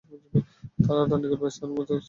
তারা তাঁর নিকটবর্তী স্থানে বসবাস করার অনুমতি চাইল।